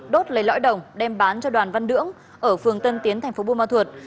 đốt lấy lõi đồng đem bán cho đoàn văn đưỡng ở phường tân tiến tp buôn ma thuột